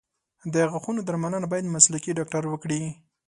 د غاښونو درملنه باید مسلکي ډاکټر وکړي.